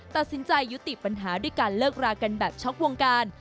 ตัดสินใจยุติปัญหาด้วยการเลิกรากันแบบช็อกวงการ